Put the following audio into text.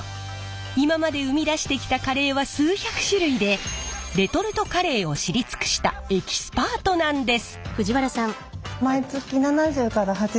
今まで生み出してきたカレーは数百種類でレトルトカレーを知り尽くしたエキスパートなんです！